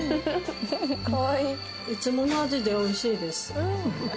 いつもの味でおいしいです。